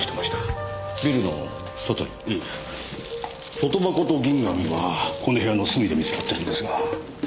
外箱と銀紙はこの部屋の隅で見つかってるんですが。